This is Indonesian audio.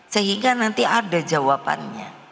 sehingga nanti ada jawabannya